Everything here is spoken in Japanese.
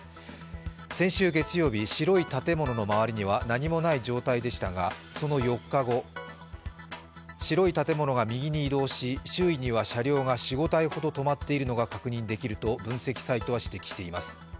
先週月曜日、白い建物の周りには何もない状態でしたが、その４日後、白い建物が右に移動し、周囲には車両が４５台ほど止まっているのが確認できると分析サイトは指摘しています。